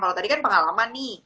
kalau tadi kan pengalaman nih